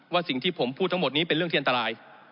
สิ่งที่ผมพูดทั้งหมดนี้เป็นเรื่องที่อันตราย